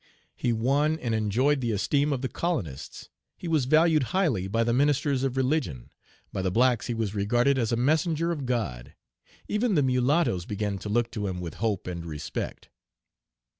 He won and enjoyed the esteem of the colonists; he was valued highly by the ministers of religion; by the blacks he was regarded as a messenger of God. Even the mulattoes began to look to him with hope and respect.